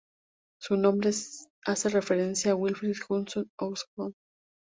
Su nombre hace referencia a Wilfred Hudson Osgood.